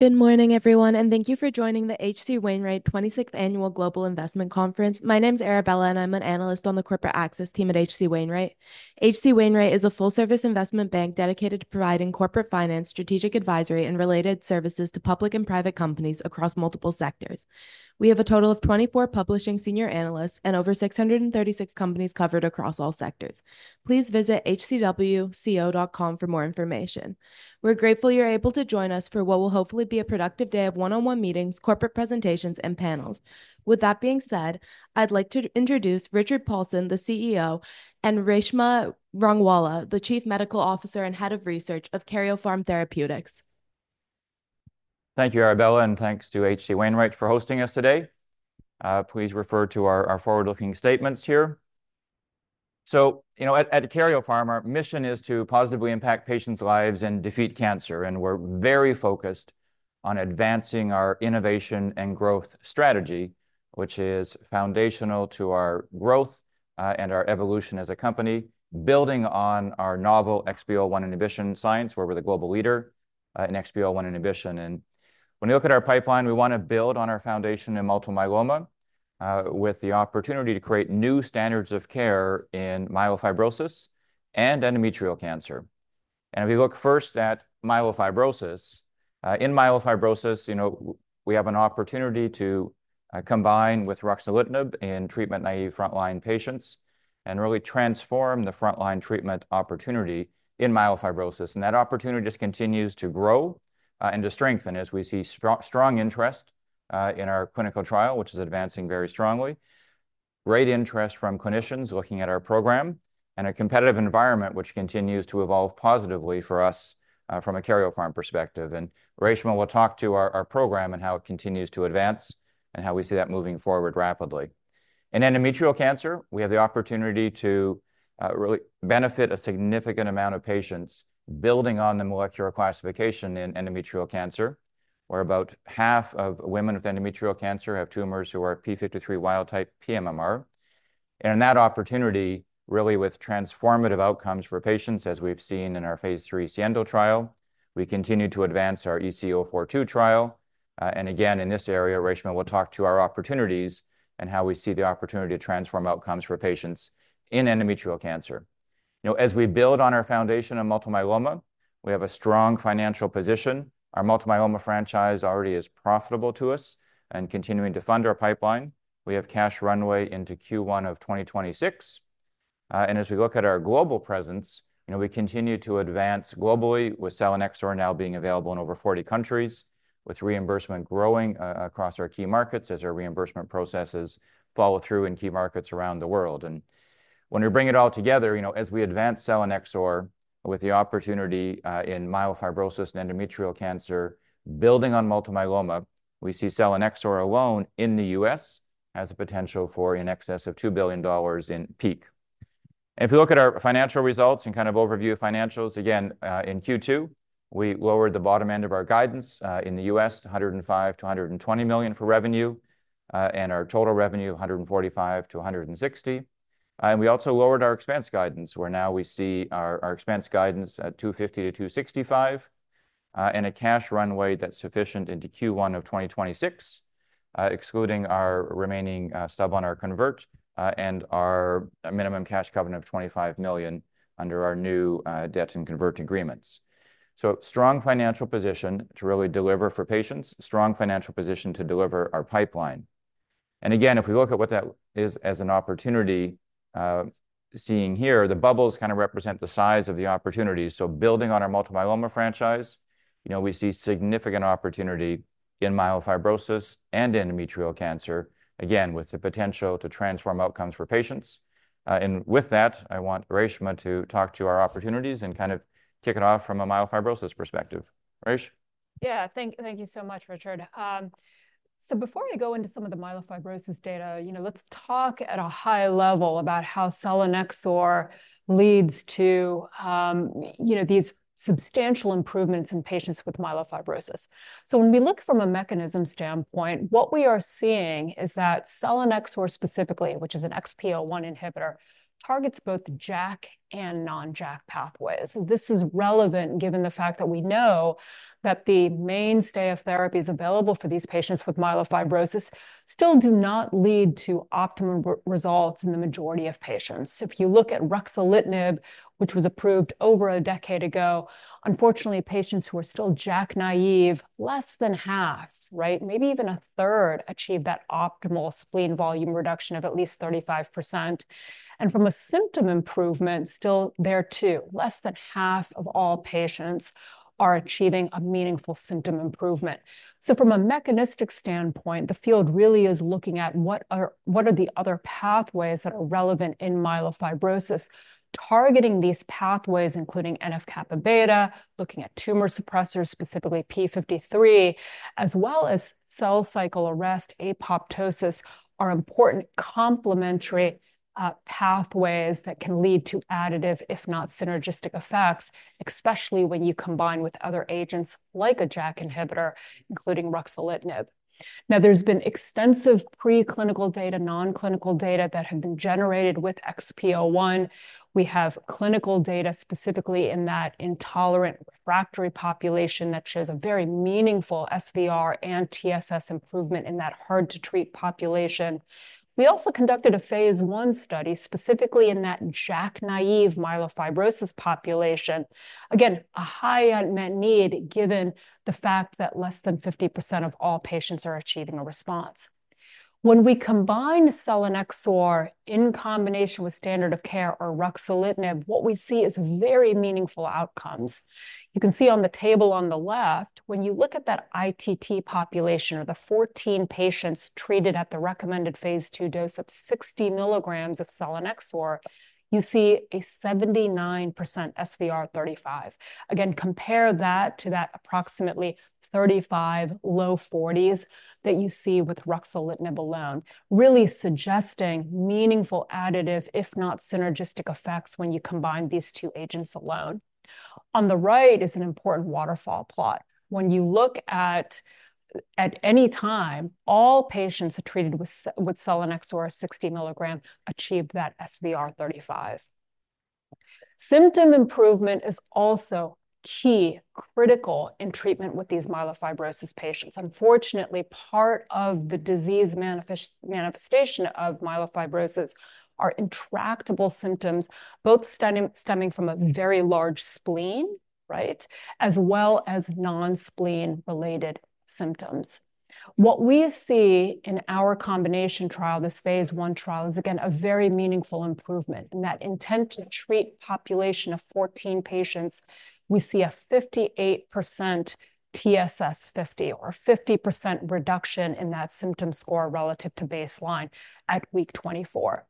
Good morning, everyone, and thank you for joining the H.C. Wainwright 26th Annual Global Investment Conference. My name's Arabella, and I'm an analyst on the corporate access team at H.C. Wainwright. H.C. Wainwright is a full-service investment bank dedicated to providing corporate finance, strategic advisory, and related services to public and private companies across multiple sectors. We have a total of 24 publishing senior analysts and over 636 companies covered across all sectors. Please visit hcwco.com for more information. We're grateful you're able to join us for what will hopefully be a productive day of one-on-one meetings, corporate presentations, and panels. With that being said, I'd like to introduce Richard Paulson, the CEO, and Reshma Rangwala, the Chief Medical Officer and Head of Research of Karyopharm Therapeutics. Thank you, Arabella, and thanks to H.C. Wainwright for hosting us today. Please refer to our forward-looking statements here. So, you know, at Karyopharm, our mission is to positively impact patients' lives and defeat cancer, and we're very focused on advancing our innovation and growth strategy, which is foundational to our growth, and our evolution as a company, building on our novel XPO1 inhibition science, where we're the global leader, in XPO1 inhibition. And when you look at our pipeline, we wanna build on our foundation in multiple myeloma, with the opportunity to create new standards of care in myelofibrosis and endometrial cancer. And if you look first at myelofibrosis, in myelofibrosis, you know, we have an opportunity to combine with ruxolitinib in treatment-naive frontline patients and really transform the frontline treatment opportunity in myelofibrosis. And that opportunity just continues to grow, and to strengthen as we see strong interest in our clinical trial, which is advancing very strongly. Great interest from clinicians looking at our program and a competitive environment which continues to evolve positively for us from a Karyopharm perspective. And Reshma will talk to our program and how it continues to advance and how we see that moving forward rapidly. In endometrial cancer, we have the opportunity to really benefit a significant amount of patients, building on the molecular classification in endometrial cancer, where about half of women with endometrial cancer have tumors who are p53 wild-type pMMR. And that opportunity, really with transformative outcomes for patients, as we've seen in our phase III SIENDO trial, we continue to advance our EC-042 trial. And again, in this area, Reshma will talk to our opportunities and how we see the opportunity to transform outcomes for patients in endometrial cancer. You know, as we build on our foundation in multiple myeloma, we have a strong financial position. Our multiple myeloma franchise already is profitable to us and continuing to fund our pipeline. We have cash runway into Q1 of 2026. And as we look at our global presence, you know, we continue to advance globally with Selinexor now being available in over 40 countries, with reimbursement growing across our key markets as our reimbursement processes follow through in key markets around the world. And when we bring it all together, you know, as we advance Selinexor with the opportunity in myelofibrosis and endometrial cancer, building on multiple myeloma, we see Selinexor alone in the U.S. as a potential for in excess of $2 billion in peak. If you look at our financial results and kind of overview of financials, again, in Q2, we lowered the bottom end of our guidance in the U.S. to $105-$120 million for revenue, and our total revenue $145-$160 million. And we also lowered our expense guidance, where now we see our expense guidance at $250-$265 million, and a cash runway that's sufficient into Q1 of 2026, excluding our remaining sub on our convert, and our minimum cash covenant of $25 million under our new debt and convert agreements. So strong financial position to really deliver for patients, strong financial position to deliver our pipeline. And again, if we look at what that is as an opportunity, seeing here, the bubbles kind of represent the size of the opportunity. So building on our multiple myeloma franchise, you know, we see significant opportunity in myelofibrosis and endometrial cancer, again, with the potential to transform outcomes for patients. And with that, I want Reshma to talk to our opportunities and kind of kick it off from a myelofibrosis perspective. Resh? Yeah. Thank you so much, Richard. So before I go into some of the myelofibrosis data, you know, let's talk at a high level about how Selinexor leads to, you know, these substantial improvements in patients with myelofibrosis. When we look from a mechanism standpoint, what we are seeing is that Selinexor specifically, which is an XPO1 inhibitor, targets both JAK and non-JAK pathways. This is relevant given the fact that we know that the mainstay of therapies available for these patients with myelofibrosis still do not lead to optimum results in the majority of patients. If you look at ruxolitinib, which was approved over a decade ago, unfortunately, patients who are still JAK-naïve, less than half, right, maybe even 1/3, achieve that optimal spleen volume reduction of at least 35%. And from a symptom improvement, still there, too, less than half of all patients are achieving a meaningful symptom improvement. So from a mechanistic standpoint, the field really is looking at what are the other pathways that are relevant in myelofibrosis? Targeting these pathways, including NF-kappa Beta, looking at tumor suppressors, specifically P53, as well as cell cycle arrest, apoptosis, are important complementary pathways that can lead to additive, if not synergistic, effects, especially when you combine with other agents like a JAK inhibitor, including ruxolitinib. Now, there's been extensive preclinical data, non-clinical data, that have been generated with XPO1. We have clinical data specifically in that intolerant refractory population that shows a very meaningful SVR and TSS improvement in that hard-to-treat population. We also conducted a phase I study, specifically in that JAK-naïve myelofibrosis population. Again, a high unmet need, given the fact that less than 50% of all patients are achieving a response. When we combine Selinexor in combination with standard of care or ruxolitinib, what we see is very meaningful outcomes. You can see on the table on the left, when you look at that ITT population, or the 14 patients treated at the recommended phase 2 dose of 60 milligrams of Selinexor, you see a 79% SVR35. Again, compare that to that approximately 35, low 40s, that you see with ruxolitinib alone, really suggesting meaningful additive, if not synergistic, effects when you combine these two agents alone. On the right is an important waterfall plot. When you look at any time, all patients are treated with Selinexor 60 milligram achieve that SVR35. Symptom improvement is also key, critical in treatment with these myelofibrosis patients. Unfortunately, part of the disease manifestation of myelofibrosis are intractable symptoms, both stemming from a very large spleen, right? As well as non-spleen-related symptoms. What we see in our combination trial, this phase I trial, is again, a very meaningful improvement. In that intent-to-treat population of fourteen patients, we see a 58% TSS50, or a 50% reduction in that symptom score relative to baseline at week 24.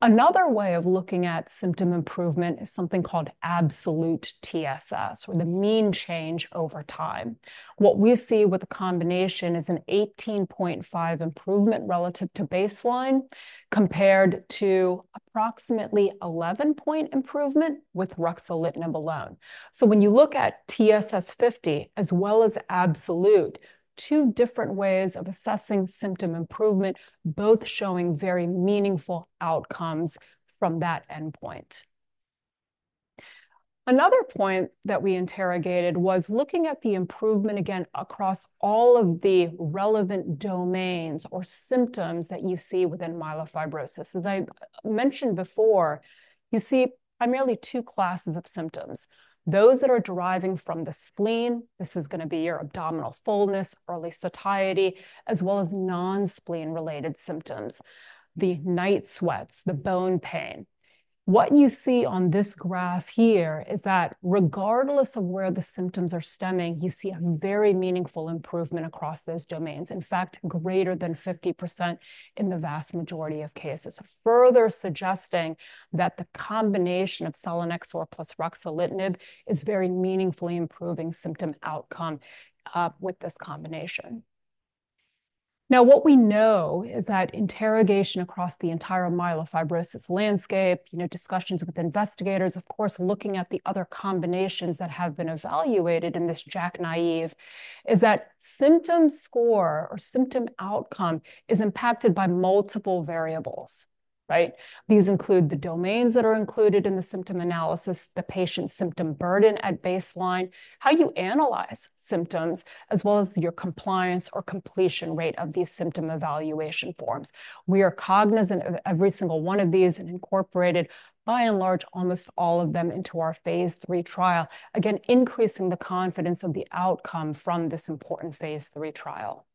Another way of looking at symptom improvement is something called absolute TSS, or the mean change over time. What we see with the combination is an 18.5 improvement relative to baseline, compared to approximately 11-point improvement with ruxolitinib alone. So when you look at TSS50 as well as absolute, two different ways of assessing symptom improvement, both showing very meaningful outcomes from that endpoint. Another point that we interrogated was looking at the improvement again across all of the relevant domains or symptoms that you see within myelofibrosis. As I mentioned before, you see primarily two classes of symptoms, those that are deriving from the spleen, this is gonna be your abdominal fullness, early satiety, as well as non-spleen-related symptoms, the night sweats, the bone pain. What you see on this graph here is that regardless of where the symptoms are stemming, you see a very meaningful improvement across those domains. In fact, greater than 50% in the vast majority of cases, further suggesting that the combination of Selinexor plus ruxolitinib is very meaningfully improving symptom outcome with this combination. Now, what we know is that interrogation across the entire myelofibrosis landscape, you know, discussions with investigators, of course, looking at the other combinations that have been evaluated in this JAK-naïve, is that symptom score or symptom outcome is impacted by multiple variables, right? These include the domains that are included in the symptom analysis, the patient's symptom burden at baseline, how you analyze symptoms, as well as your compliance or completion rate of these symptom evaluation forms. We are cognizant of every single one of these and incorporated, by and large, almost all of them into our phase III trial, again, increasing the confidence of the outcome from this important phase III trial.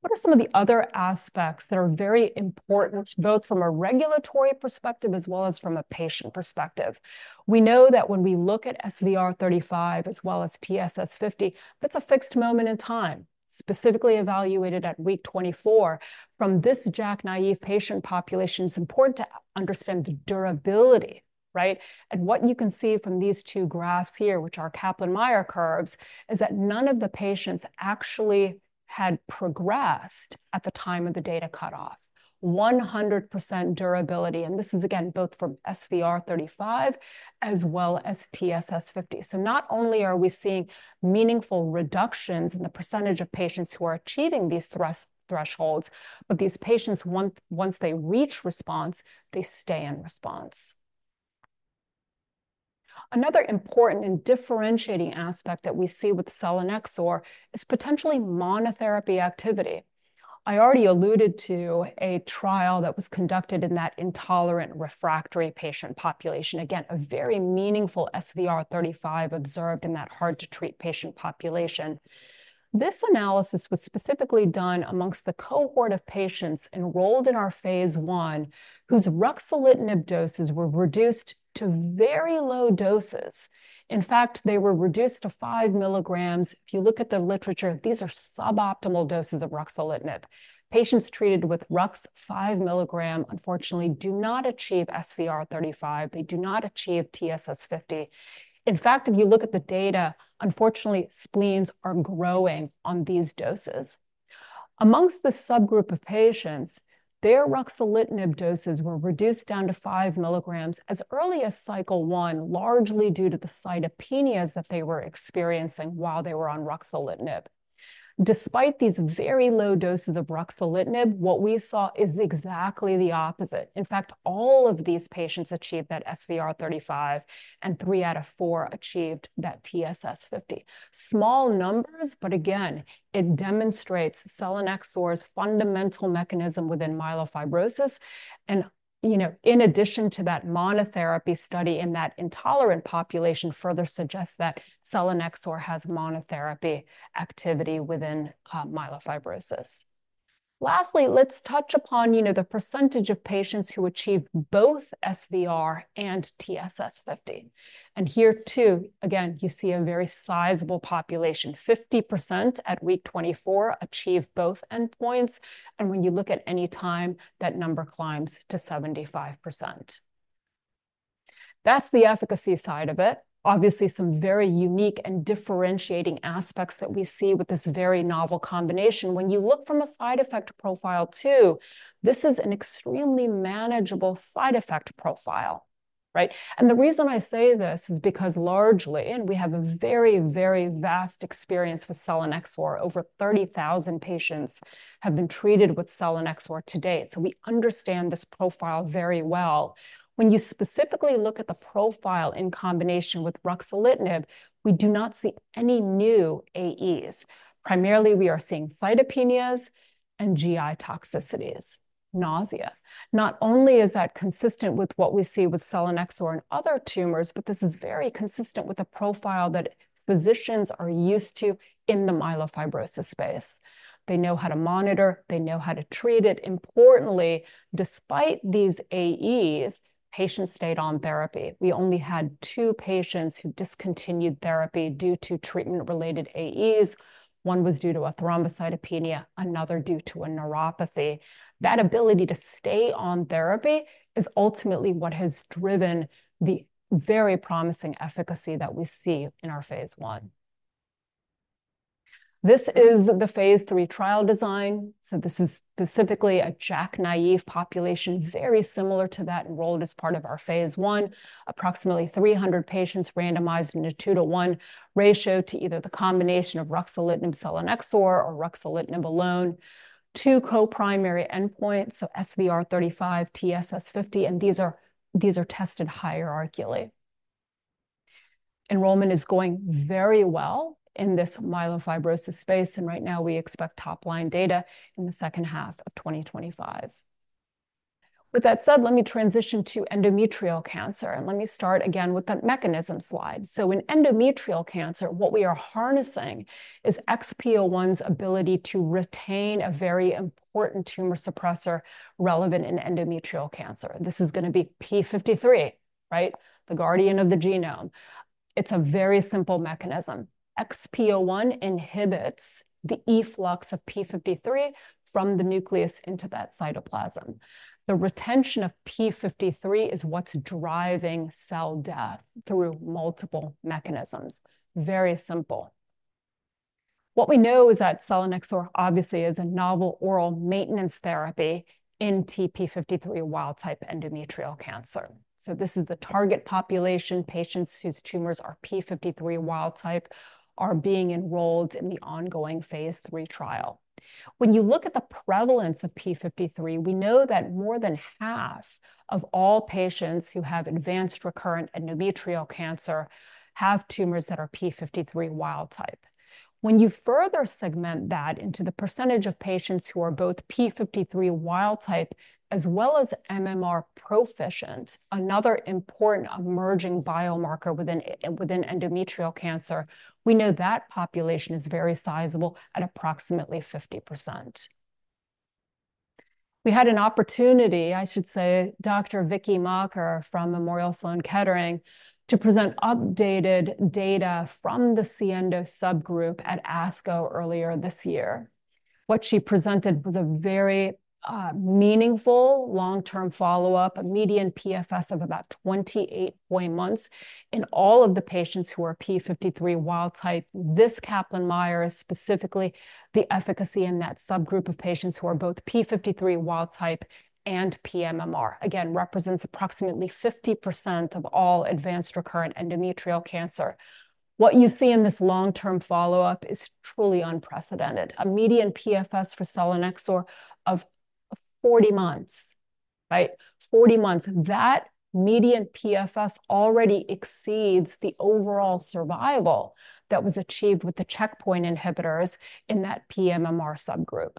What are some of the other aspects that are very important, both from a regulatory perspective as well as from a patient perspective? We know that when we look at SVR35 as well as TSS50, that's a fixed moment in time, specifically evaluated at week 24. From this JAK-naïve patient population, it's important to understand the durability, right, and what you can see from these two graphs here, which are Kaplan-Meier curves, is that none of the patients actually had progressed at the time of the data cutoff. 100% durability, and this is again, both for SVR35 as well as TSS50, so not only are we seeing meaningful reductions in the percentage of patients who are achieving these thresholds, but these patients, once they reach response, they stay in response. Another important and differentiating aspect that we see with Selinexor is potentially monotherapy activity. I already alluded to a trial that was conducted in that intolerant refractory patient population. Again, a very meaningful SVR35 observed in that hard-to-treat patient population. This analysis was specifically done among the cohort of patients enrolled in our phase I, whose ruxolitinib doses were reduced to very low doses. In fact, they were reduced to five milligrams. If you look at the literature, these are suboptimal doses of ruxolitinib. Patients treated with rux five milligrams, unfortunately, do not achieve SVR35. They do not achieve TSS50. In fact, if you look at the data, unfortunately, spleens are growing on these doses. Among this subgroup of patients, their ruxolitinib doses were reduced down to five milligrams as early as cycle one, largely due to the cytopenias that they were experiencing while they were on ruxolitinib. Despite these very low doses of ruxolitinib, what we saw is exactly the opposite. In fact, all of these patients achieved that SVR35, and three out of four achieved that TSS50. Small numbers, but again, it demonstrates Selinexor's fundamental mechanism within myelofibrosis, and, you know, in addition to that monotherapy study in that intolerant population, further suggests that Selinexor has monotherapy activity within myelofibrosis. Lastly, let's touch upon, you know, the percentage of patients who achieved both SVR and TSS50. Here, too, again, you see a very sizable population, 50% at week 24 achieve both endpoints, and when you look at any time, that number climbs to 75%. That's the efficacy side of it. Obviously, some very unique and differentiating aspects that we see with this very novel combination. When you look from a side effect profile too, this is an extremely manageable side effect profile.... Right? The reason I say this is because largely, and we have a very, very vast experience with Selinexor, over 30,000 patients have been treated with Selinexor to date, so we understand this profile very well. When you specifically look at the profile in combination with Ruxolitinib, we do not see any new AEs. Primarily, we are seeing cytopenias and GI toxicities, nausea. Not only is that consistent with what we see with Selinexor in other tumors, but this is very consistent with the profile that physicians are used to in the myelofibrosis space. They know how to monitor, they know how to treat it. Importantly, despite these AEs, patients stayed on therapy. We only had two patients who discontinued therapy due to treatment-related AEs. One was due to a thrombocytopenia, another due to a neuropathy. That ability to stay on therapy is ultimately what has driven the very promising efficacy that we see in our phase I. This is the phase III trial design. So this is specifically a JAK-naïve population, very similar to that enrolled as part of our phase I. Approximately 300 patients randomized in a 2-to-1 ratio to either the combination of ruxolitinib selinexor or ruxolitinib alone. Two co-primary endpoints, so SVR35, TSS50, and these are tested hierarchically. Enrollment is going very well in this myelofibrosis space, and right now, we expect top-line data in the H2 of 2025. With that said, let me transition to endometrial cancer, and let me start again with that mechanism slide. So in endometrial cancer, what we are harnessing is XPO1's ability to retain a very important tumor suppressor relevant in endometrial cancer. This is gonna be p53, right? The guardian of the genome. It's a very simple mechanism. XPO1 inhibits the efflux of p53 from the nucleus into that cytoplasm. The retention of p53 is what's driving cell death through multiple mechanisms. Very simple. What we know is that Selinexor obviously is a novel oral maintenance therapy in TP53 wild-type endometrial cancer. So this is the target population, patients whose tumors are p53 wild-type, are being enrolled in the ongoing phase III trial. When you look at the prevalence of p53, we know that more than half of all patients who have advanced recurrent endometrial cancer have tumors that are p53 wild-type. When you further segment that into the percentage of patients who are both p53 wild-type, as well as MMR proficient, another important emerging biomarker within endometrial cancer, we know that population is very sizable at approximately 50%. We had an opportunity, I should say, Dr. Vicky Makker from Memorial Sloan Kettering, to present updated data from the SIENDO subgroup at ASCO earlier this year. What she presented was a very, meaningful long-term follow-up, a median PFS of about 28 months in all of the patients who are P53 wild-type. This Kaplan-Meier is specifically the efficacy in that subgroup of patients who are both P53 wild-type and pMMR. Again, represents approximately 50% of all advanced recurrent endometrial cancer. What you see in this long-term follow-up is truly unprecedented. A median PFS for selinexor of, 40 months, right? 40 months. That median PFS already exceeds the overall survival that was achieved with the checkpoint inhibitors in that pMMR subgroup.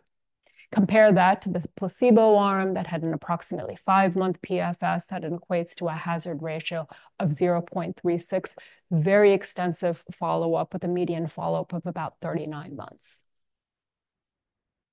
Compare that to the placebo arm that had an approximately 5-month PFS, that equates to a hazard ratio of 0.36. Very extensive follow-up, with a median follow-up of about 39 months.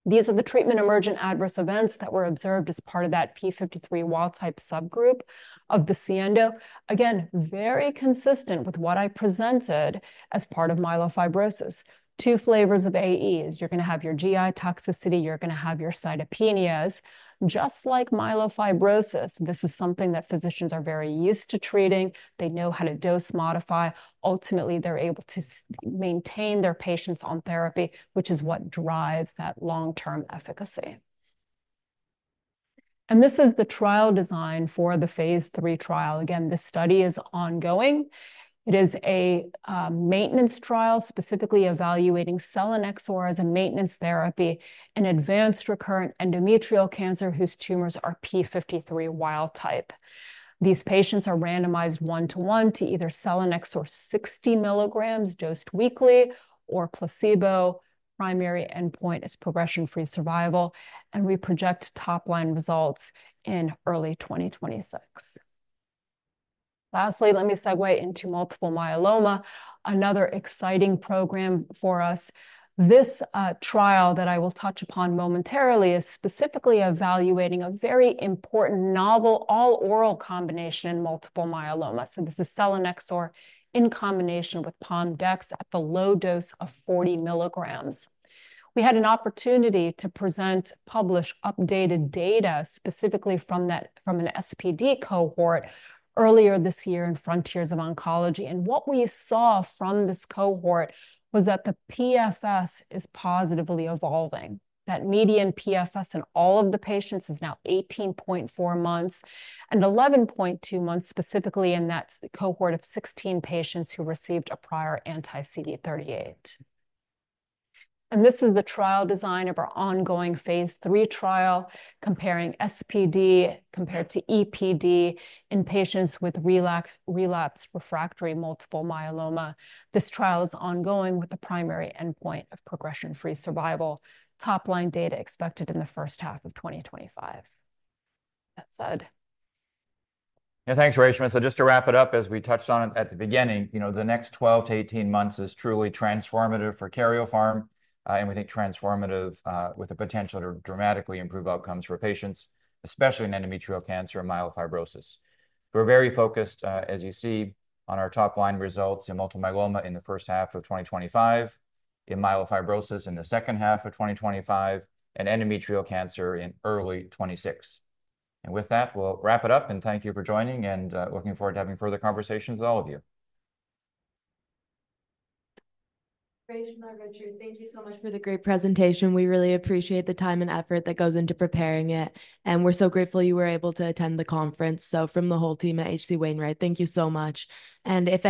These are the treatment-emergent adverse events that were observed as part of that p53 wild-type subgroup of the SIENDO. Again, very consistent with what I presented as part of myelofibrosis. Two flavors of AEs: you're gonna have your GI toxicity, you're gonna have your cytopenias. Just like myelofibrosis, this is something that physicians are very used to treating. They know how to dose modify. Ultimately, they're able to maintain their patients on therapy, which is what drives that long-term efficacy. This is the trial design for the phase III trial. Again, this study is ongoing. It is a maintenance trial, specifically evaluating Selinexor as a maintenance therapy in advanced recurrent endometrial cancer, whose tumors are p53 wild-type. These patients are randomized 1:1 to either selinexor 60 milligrams, dosed weekly, or placebo. Primary endpoint is progression-free survival, and we project top-line results in early 2026. Lastly, let me segue into multiple myeloma, another exciting program for us. This trial that I will touch upon momentarily is specifically evaluating a very important novel, all-oral combination in multiple myeloma. So this is Selinexor in combination with Pom-dex at the low dose of 40 milligrams. We had an opportunity to present, publish updated data, specifically from an SPD cohort earlier this year in Frontiers of Oncology, and what we saw from this cohort was that the PFS is positively evolving. That median PFS in all of the patients is now 18.4 months, and 11.2 months specifically in that cohort of 16 patients who received a prior anti-CD38. This is the trial design of our ongoing phase III trial, comparing SPD to EPD in patients with relapsed refractory multiple myeloma. This trial is ongoing with the primary endpoint of progression-free survival. Top-line data expected in the H1 of 2025. That said... Yeah, thanks, Reshma. So just to wrap it up, as we touched on at the beginning, you know, the next 12-18 months is truly transformative for Karyopharm, and we think transformative, with the potential to dramatically improve outcomes for patients, especially in endometrial cancer and myelofibrosis. We're very focused, as you see, on our top-line results in multiple myeloma in the H1 of 2025, in myelofibrosis in the H2 of 2025, and endometrial cancer in early 2026. And with that, we'll wrap it up, and thank you for joining, and, looking forward to having further conversations with all of you. Reshma, Richard, thank you so much for the great presentation. We really appreciate the time and effort that goes into preparing it, and we're so grateful you were able to attend the conference. So from the whole team at H.C. Wainwright, thank you so much. And if-